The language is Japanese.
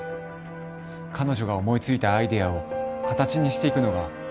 彼女が思いついたアイデアを形にしていくのが